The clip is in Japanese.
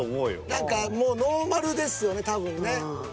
何かノーマルですよね多分ね。